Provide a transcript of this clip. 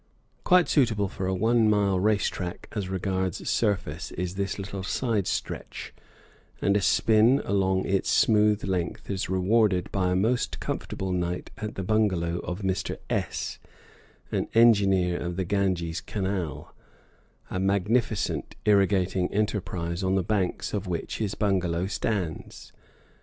Quite suitable for a one mile race track as regards surface is this little side stretch, and a spin along its smooth length is rewarded by a most comfortable night at the bungalow of Mr. S, an engineer of the Ganges Canal, a magnificent irrigating enterprise, on the banks of which his bungalow stands.